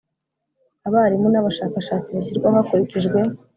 Abarimu n abashakashatsi bashyirwaho hakurikijwe